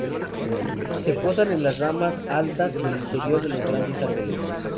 Se posan en las ramas altas del interior de los grandes árboles.